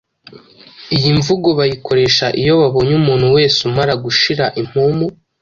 Iyi mvugo bayikoresha iyo babonye umuntu wese umara gushira impumu